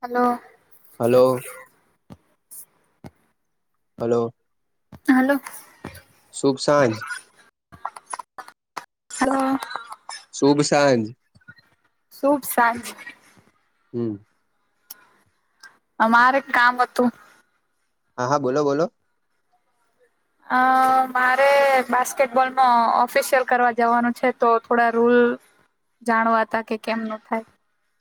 Hello. Hello. Hello. Hello. શુંભ સાંજ. Hello. શુભ સાંજ. શુભ સાંજ. હમ્મ. અમારે કામ હતું. હા-હા બોલો-બોલો. અ મારે બાસ્કેટબોલનો ઓફિસિયલ કરવા જવાનું છે તો થોડા રુલ. જાણવા હતા કે કેમનું થાય.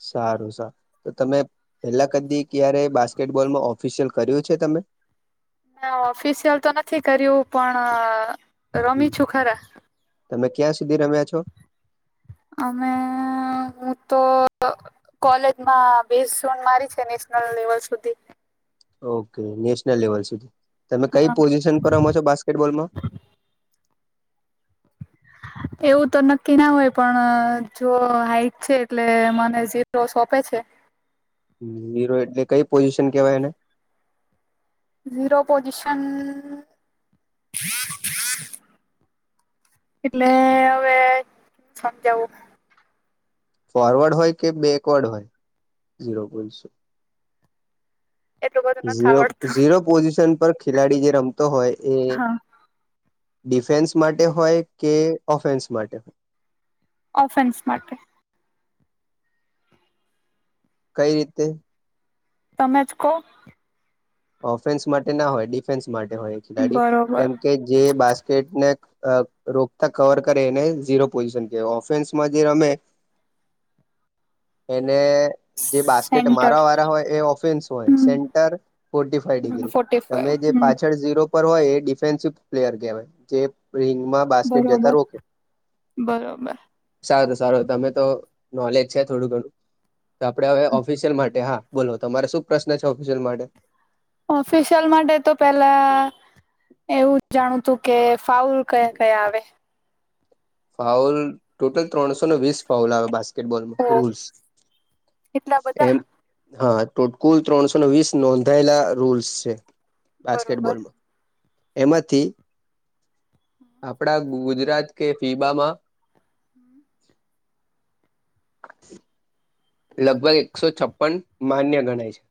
સારું-સારું. તો તમે પેલા કદી ક્યારે બાસ્કેટબોલમાં ઓફિસિયલ કર્યું છે તમે. ના ઓફિશિયલ તો નથી કર્યું પણ હમ રમી છું ખરા. તમે ક્યાં સુધી રમ્યા છો? અમે હું તો કોલેજમાં બેસ ઝોન મારી છે. નેશનલ લેવલ સુધી. ઓકે. નેશનલ લેવલ સુધી તમે કઈ હા પોઝિશન પર રમો છો? બાસ્કેટબોલમાં. એવું તો નક્કી ના હોય, પણ જો હાઈટ છે એટલે મને હિરો સોંપે છે. હીરો એટલે કઈ પોઝિશન કેવાય એને? હિરો પોઝિશન એટલે હવે... સમજાવું ફોરવર્ડ હોય કે બેકવર્ડ હોય હીરો પોઝીશન. એટલું બધું નથી ઝીરો, આવડતું ઝીરો પોઝિશન પર ખેલાડી જે રમતો હોય એ હા ડિફેન્સ માટે હોય કે ઓફેન્સ માટે. ઓફેન્સ માટે. કઈ રીતે? તમે જ કહો. ઓફેન્સ માટેના હોય ડિફેન્સ માટે હોય ખેલાડી બરોબર કેમકે જે બાસ્કેટને અ રોકતા કવર કરે એને ઝીરો પોઝિશન કેહવાય ઓફેન્સમાં જે રમે [inaudible] એને જે બાસ્કેટ સેન્ટર મારા વારા હોય એ ઓફેન્સ હોય. હમ centre forty five degree forty તમે ફાઈવ જે હમ પાછ ળ ઝીરો પર હોય. એ ડિફેન્સિપ પ્લેયર કેહવાય જે રિંગમાં બાસ્કેટ જતા બરોબર રોકે. બરોબર સારું સારું. તમે તો નોલેજ છે થોડું ઘણું તો આપડે હવે ઓફિસિયલ માટે હા તમારે શું પ્રશ્ન છે? ઓફિસિયલ માટે. ઓફિશયલ માટે તો પહેલા એવું જાણવુંતું કે ફાઉલ કયા-કયા આવે. ફાઉલ ટોટલ ત્રણસો ને વીસ ફાઉલ આવે બાસ્ કેટ બોલમાં તો રૂલ્સ એટલા બધા એમ. હા, તો કુલ ત્રણસો ને વીસ નોંધાયેલા રૂલ્સ છે. બરોબર બાસ્કેટબોલમાં એમાંથી આપડા ગુજરાત કે ફીબામાં લગભગ એકસો છપ્પન માન્ય ગણાય છે.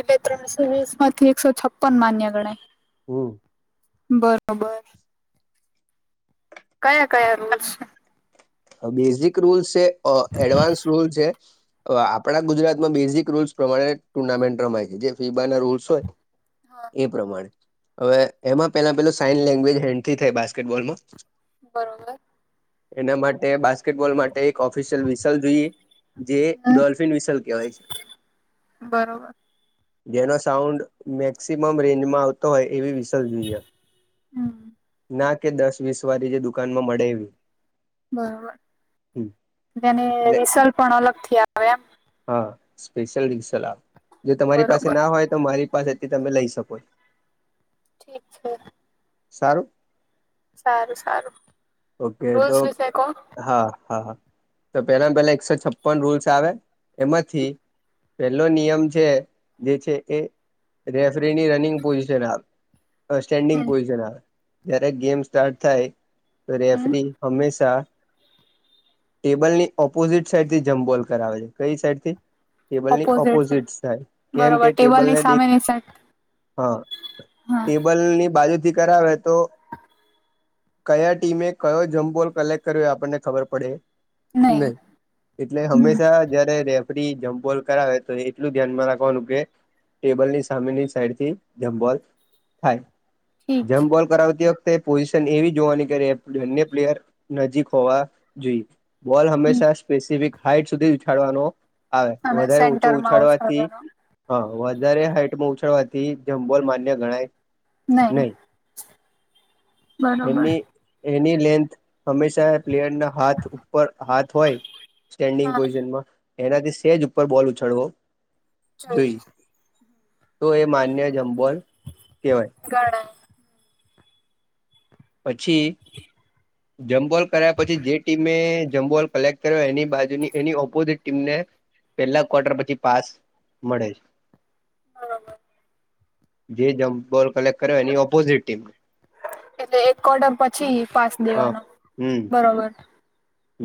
એટલે ત્રણસો વીસમાંથી એકસો છપ્પન માન્ય ગણાય. હમ. બરોબર. કયા કયા રૂલસ છે? બેઝિક રૂલ્સ છે, એડવાન્સ રૂલ્સ છે. આપણા ગુજરાતમાં બેઝિક રૂલ્સ પ્રમાણે ટુર્નામેન્ટ રમાય છે, જે ફીબાના રૂલ્સ હોય. એ પ્રમાણે. હવે, એમાં પહેલા પેહલા સાઈન લેંગ્વેજ હેથી થાય. બાસ્કેટબોલમાં બરોબર. એના માટે બાસ્કેટબોલ માટે, એક ઓફિશિયલ વિસલ જોઈએ. જે હમ ડોલ્ફિન વિસલ કહેવાય છે. બરોબર જેનો સાઉન્ડ મેક્સિમમ રેન્જમાં આવતો હોય, એવી હમ ના કે દસ વીસ વાળી જે દુકાનમાં મળે એવી- [unintelligible] જેને એટલે રિસલ પણ અલગથી આવે એમ. હા, સ્પેશિયલ ડિસલ આપે. જો તમારી બરોબર પાસેના હોય, તો મારી પાસેથી તમે લઈ શકો છો? [unintelligible] સારું. સારું સારું. ઓકે રૂલ્સ તો. વિશે કહો હા હા હા તો પેલા પેલા એકસો છપ્પન રૂલ્સ આવે એમાંથી પેલો નિયમ છે જે છે એ રેફરીની રનિંગ પોઝિશન આવે. સ્ટેન્ડિંગ હમ પોઝિશન આવે જ્યારે ગેમ સ્ટાર્ટ થાય. તો હમ રેફરી હમેશા ટેબલ ની અપોઝિટ સાઈડ થી જંપ બોલ કરાવે છે કઈ સાઈડ થી ટેબલની ઓપોઝિટ થાય કેમ કે બરોબર ટેબલની ટેબલને દેખ સામેની સાઈડ હા હા ટેબલ ની બાજુથી કરાવે. તો કયા ટીમે કયો જમ્પબોલ કલેક્ટ કર્યો એ આપણને ખબર પડે. નહી નઇ [unintelligible] એટલે હમ હંમેશા જયારે રેફરી જમ્પબોલ કરાવે તો એટલું ધ્યાનમાં રાખવાનું કે ટેબલની સામેની સાઈડથી જમ બોલ થાય ઠીક છે જમ્પ બોલ કરાવતી વખતે પોઝિશન એવી જોવાની કે બંને પ્લેયર નજીક હોવા જોઈએ. બોલ હમ હંમેશા સ્પેસિફિક હાઈટ સુધી ઉછાડવાનો. આવે અને વધારે ઊંચો સેન્ટરમાં ઉછાળવાથી. ઉછાળવાનો હા વધારે હાઈટમાં ઉછાળવાથી જમબોલ માન્ય ગણાય. નહી બરોબર એની એની લેન્થ હંમેશા પ્લેયરના હાથ ઉપર હાથ હોય સ્ટેન્ડિંગ હા પોઝિશનમાં એનાથી સેજ ઉપર બોલ ઉછળવો જોઈએ તો એ માન્ય જમબોલ કેવાય. ગણાય. પછી. [inaudible] જમ્બોલ કરાયા પછી જે ટીમે જમ્બોલ કલેક્ટ કર્યો એની બાજુની એની ઓપોઝિટ ટીમને. પેલા ક્વાર્ટર પછી પાસ મળે છે. [inaudible] જે જંપ બોલ કલેક્ટ કર્યો એની ઓપોઝિટ ટીમ એટલે એક કોટર પછી પાસ હા દેવાનો હમ બરોબર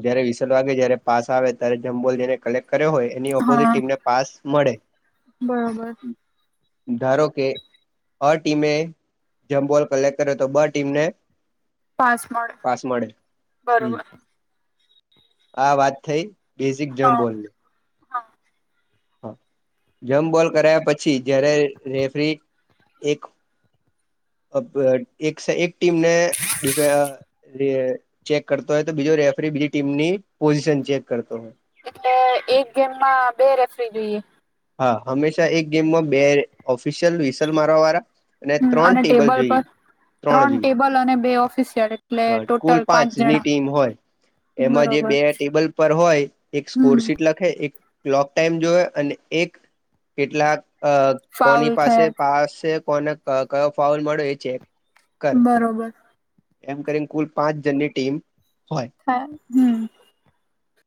જયારે વિસલ વાગે જયારે પાસ આવે ત્યારે જમ્બોલ જેને કલેક્ટ કર્યો હોય એની અપોઝિટ હા ટીમને પાસ મળે બરોબર. ધારો કે અ ટીમે જમબોલ કલેક્ટ કર્યો તો બ ટીમને પાસ મળે પાસ મળે બરોબર. આ વાત થઈ બેઝિક જંપ હા બોલની હા. જમ્પ બોલ કરાયા પછી જયારે રેફરી એક અપ એકસે એક ટીમને ડિફે ચેક કરતો હોય તો બીજો રેફરી બીજી ટીમની પોઝિશન ચેક કરતો હોય. એટલે એક ગેમમાં બે રેફરી જોઈએ. હા હંમેશા એક ગેમમાં બે ઓફિશિયલ વિસલ મારવા વાળા અને ત્રણ ટેબલ જોઈએ ત્રણ જોઈએ. અને બે ઓફિસિયલ. એટલે હ કુલ ટોટલ પાંચ પાંચની જણા ટીમ હોય એમાં જે બરોબર બે ટેબલ પર હોય એક હમ સ્કોરશીટ લખ એક કલોક ટાઈમ જોવે અને એક કેટલાક ફાઉલ કોની પાસે થયા પાસે કોને કયો મળ્યો એ કરે બરોબર. એમ કરીને કુલ પાંચ જનની ટીમ હોય. હા હમ.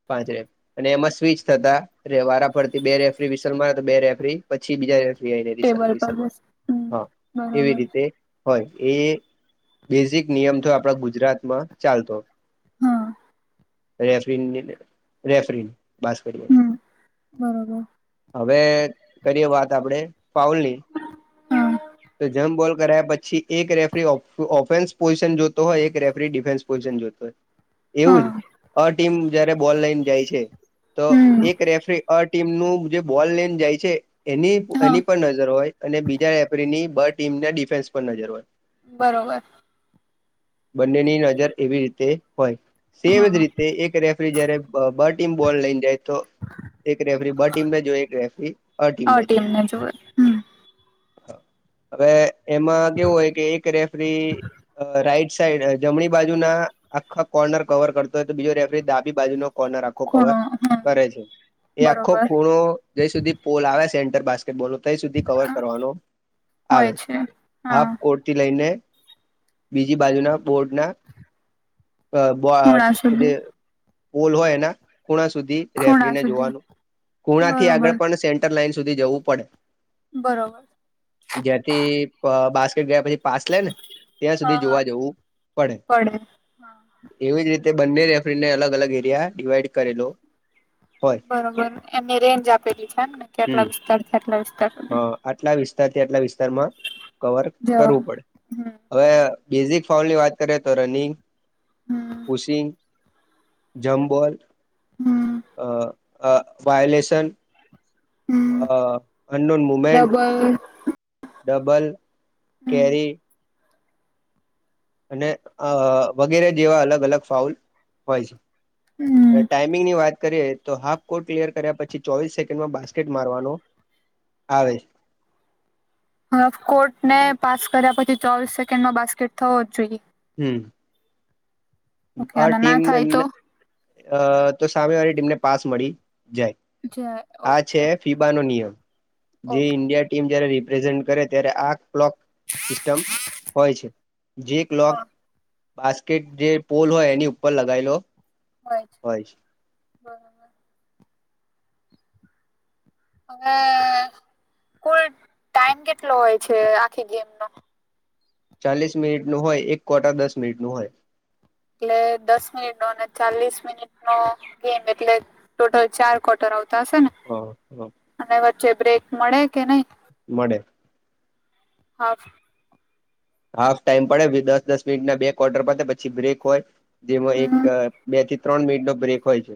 પાંચરે. અને એમાં સ્વચ થતા વારા ફરતી બે રેફરી વિશલમાં બે રેફરી પછી બીજા રેફરી. ટેબલ પર બસ હમ [unintelligible] હા એવી બરોબર રીતે. હોય એ બેઝિક નિયમ તો આપણા ગુજરાતમાં ચાલતો હમ. રેફરીનની રેફરીન બા હમ બરોબર. હવે કરીએ વાત આપડે ફઉલની હા તો જેમ બોલ કરયા પછી એક રેફરી ઓફેન્સ પોઝિશન જોતો હોય એક રેફરી ડિફેન્સ પોઝિશન જોતો હોય. એવું જ હા અ ટીમ જયારે બોલ લઈને જાય છે તો હમ એક રેફરી અ ટીમ નું જે બોલ લઈને જાય છે. એની હા એની પર નજર હોય અને બીજા એપરીની બ ટીમને ડિફેન્સ પર નજર હોય. બરોબર. બંનેની નજર એવી રીતે હોય. સેમ જ હા રીતે એક રેફરી જયારે બ ટીમ બોલ લઈને જાય તો એક રેફરી બ ટીમને જો એક રેફરી અ આ ટીમને જો જોવે હમ [inaudible] હવે એમાં કેવું હોય કે એક રેફરી અ રાઈટ સાઈડ જમણી બાજુના‌. આખા કોર્નર કવર કરતો હોય તો બીજો રેફરી ડાી બાજુ નો કોર્નર વ ખૂણો હમ કરે છે એ આખો બરોબર ખૂણો જ્યા સુધી પોલ આવે સેન્ટર બા બોનો તા ઇ સુધી કવર કરવાનો આવે છે હા આ કો... થી લઈને બીજી બાજુના બોર્ડના.. અ ખૂણા સુધી [inaudible] એના ખૂણા સુધી ખૂણા રેફરીને સુધી જોવાનું ખુણા થી બરોબર આગળ પણ સેન્ટર લાઈન સુધી જવું પડે. બરોબર. ત્યાંથી બાસ્કેટ ગયા પછી પાસ લે ને... ત્યાં સુધી હા હા જોવા જવું પડે. એવી જ રીતે બંને રેફરીને અલગ અલગ એરિયા ડિવાઈડ કરેલો હોય. બરોબર એમની રેન્જ આપેલી છે ને કેટલા વિસ્તાર થી આટલા વિસ્તાર... સુધી હા આટલા વિસ્તારથી આટલા વિસ્તારમાં કવર જવાનું કરવું પડે. હમ હવે બેઝિક પાઉલ ની વાત કરીએ રનિંગ હમ કુસિંગ... જંપબોલ હમ અ વાયોલેસન... હમ અ અનનોન મુમેન્ટ... [unintelligible] ડબલ હમ કેરી.. અને અ વગેરે જેવા અલગ અલગ ફાઉલ.... હોય છે હમ ટાઈમિંગની વાત.... કરીએ તો હાફ કો ક્લિયર કર્યા પછી ચોવીસ સેકન્ડમાં બાસ્કેટ મારવાનો આવે છે. કોર્ટને પાસ કર્યા પછી ચોવીસ સેકન્ડ નો બાસ્કેટ થવો જ જોઈએ. હમ ઓકે અ અને ના ટીમ થાય તો એમને અ.. તો સામે વાળી ટીમને પાસ મળી જાય. જય ઓકે. ફીબા નો નિયમ જે ઓકે ઇન્ડિયા ટીમ જ્યારે રિપ્રેઝન્ટ કરે ત્યારે આ... ક્લોક સિસ્ટમ હોય છે જે ક્લોક હા બાસ્કેટ જે... પોલ હોય એની ઉપર લગાવી લો. હોય છે. બરાબર. હવે કુલ ટાઈમ કેટલો હોય છે? આખી ગેમ નો... ચાલીસ મિનિટનો હોય એક કોટા દસ મિનીટનો હોય. એટલે દસ મિનિટ નો ચાલીસ મિનિટ નો ગેમ એટલે... ટોટલ ચાર ક્વાર્ટર આવતા હશે ને? [unintelligible] અને વચ્ચે બ્રેક મળે કે નહી? મળે. હાફ. હાફ ટાઈમ પડે વિધાઉટ દસ મિનિટના બે ક્વાટર પતે પછી બ્રેક હોય જેમાં એક... હમ બે થી ત્રણ મિનિટ નો બ્રેક હોય છે.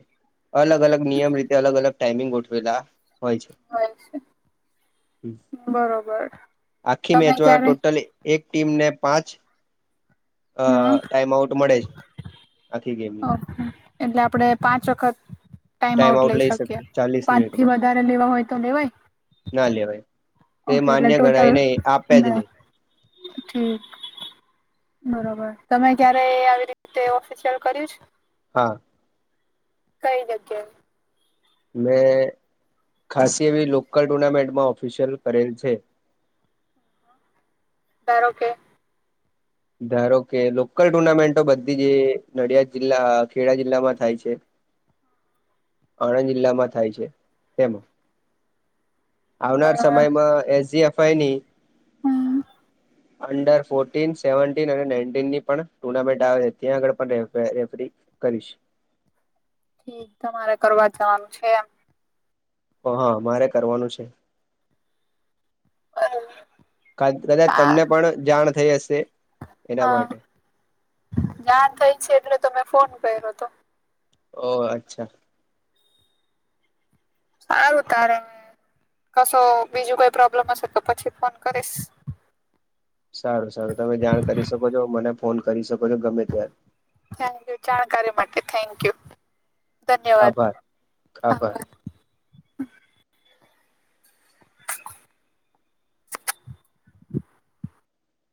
અલગ અલગ નિયમ રીતે અલગ અલગ ટાઈમિંગ ગોઠવેલા... હોય છે [inaudible] બરોબર આખી તમે મેચમાં ક્યારે ટોટલી એક ટીમને પાંચ... અ હા ટાઈમ આઉટ મળે જ આખી ગેમની... એટલે આપડે પાંચ વખત... ટાઈમ આઉટ લઈ શકીએ પાંચ થી વધારે લેવા હોય તો લેવાય... ના લેવાય તો ઓકે માન્ય ગણાય નહી આપે જ નહી. હમ... બરોબર તમે ક્યારે આવી રીતે ઓફિસિયલ કર્યું છે? હા. કઈ જકે. મેં ખાસ એવી લોકલ ટુર્નામેન્ટમાં ઓફિશિયલ કરેલ છે. સરાર ઓકે. ધારો કે લોકલ ટુર્નામેન્ટો બધી જ નડિયાદ જિલ્લા ખેડા જિલ્લામાં થાય છે. હમ. આણંદ જિલ્લામાં થાય છે તેમાં અ આવનાર સમયમાં એસજી એફઆઈ ની હમ. અંદર ફોટીન. સેવન્ટીન અને નાઇીન ની પણ ટુર્નામેન્ટ આવે છે ત્યાં આગળ પણ રેફરી કરીશ ઠીક તમારે કરવા જવાનું છે એમ. હા હા મારે કરવાનું છે. હા. કદાચ તમને પણ જાણ થઈ હશે એના માટે ના થઈ છે એટલે ફોન કર્યો હતો. ઓહ અચ્છા. સારું તારે કશો બીજું કોઈ પ્રોબ્લેમ હશે તો પછી ફોન કરીશ સારું સારું તમે જાણ કરી શકો છો મને ફોન કરી શકો છો ગમે ત્યારે. થકય જાણકારી માટે થેન્ક યુ ધન્યવાદ આભાર આભાર